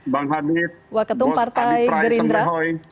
bang hadid bos adi prayit semberhoi